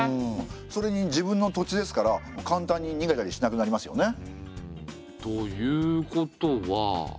それに自分の土地ですから簡単に逃げたりしなくなりますよね。ということは。